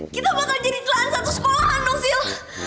kita bakal jadi celahan satu sekolahan dong fil